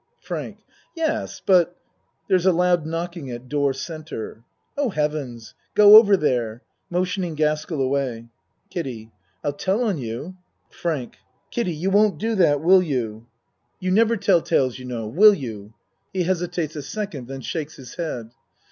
FRANK Yes but (There is a loud knocking at door C.) Oh, heavens! Go over there. (Mo tioning Gaskell away.) KIDDIE I'll tell on you. FRANK Kiddie, you won't do that, will you? 84 A MAN'S WORLD You never tell tales, you know. Will you? (He hesitates a second, then shakes his head.)